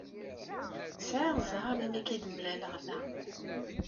Sɛiɣ zzheṛ imi ay k-id-mlaleɣ da.